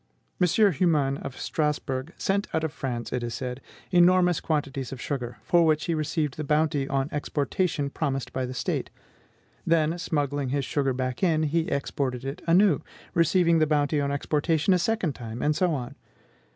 M. Humann, of Strasbourg, sent out of France, it is said, enormous quantities of sugar, for which he received the bounty on exportation promised by the State; then, smuggling this sugar back again, he exported it anew, receiving the bounty on exportation a second time, and so on.